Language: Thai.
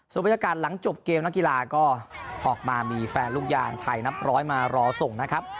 ส่วนบรรยากาศหลังจบเกมนักกีฬาก็ออกมามีแฟนลูกยางไทยนับร้อยมารอส่งนะครับ